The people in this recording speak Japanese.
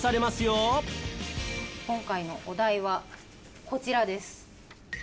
今回のお題はこちらです。